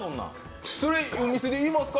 それ、お店で言いますか。